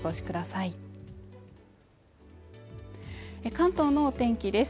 関東のお天気です